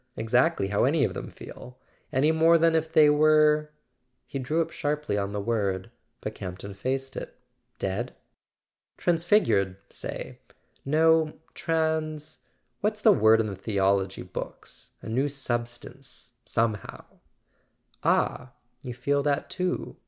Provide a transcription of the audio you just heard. —exactly how any of them feel ? Any more than if they were " He drew up sharply on the word, but Campton faced it. "Dead?" "Transfigured, say; no, trans what's the word in the theology books ? A new substance ... somehow. . "Ah, you feel that too?"